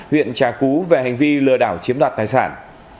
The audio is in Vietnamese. huyện trà cú về hành vi lừa đảo chiếm đoạt tài sản